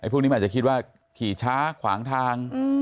พวกนี้มันอาจจะคิดว่าขี่ช้าขวางทาง